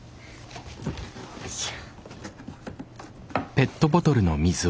よいしょ。